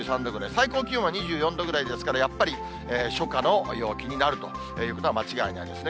最高気温は２４度ぐらいですから、やっぱり初夏の陽気になるということは間違いないですね。